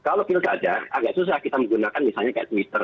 kalau itu tidak ada agak susah kita menggunakan misalnya kayak twitter